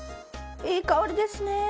いい香りですねえ。